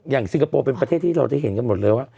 อย่างสิงคโปร์เป็นประเทศที่เราจะเห็นกันหมดแล้ว